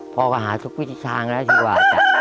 พ่อก็หาทุกวิธีทางแล้วดีกว่า